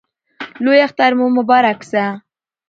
لوی اختر مو مبارک سه!